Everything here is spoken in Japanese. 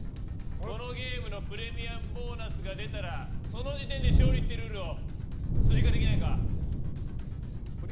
このゲームのプレミアムボーナスが出たらその時点で勝利っていうルールを追加できないか。